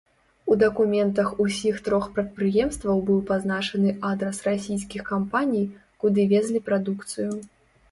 У дакументах ўсіх трох прадпрыемстваў быў пазначаны адрас расійскіх кампаній, куды везлі прадукцыю.